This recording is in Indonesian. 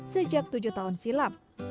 sejak tujuh tahun silam